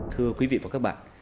thưa quý vị và các bạn